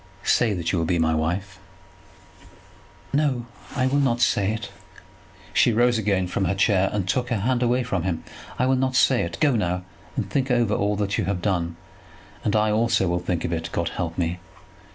"Say that you will be my wife." "No, I will not say it." She rose again from her chair, and took her hand away from him. "I will not say it. Go now and think over all that you have done; and I also will think of it. God help me.